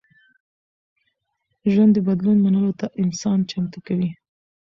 ژوند د بدلون منلو ته انسان چمتو کوي.